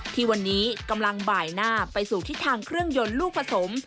ที่วันนี้กำลังบ่ายหน้าไปสู่ทิศทางเครื่องยนต์ลูกผสม